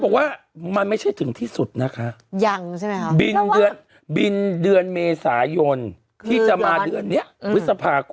บอกว่ามันไม่ใช่ถึงที่สุดนะคะอย่างว่าบินเดือนเมษอ